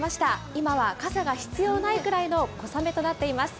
今は、傘が必要ないくらいの小雨となっています。